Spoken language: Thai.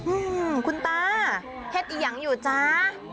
อืมคุณตาเห็ดอียังอยู่จ้า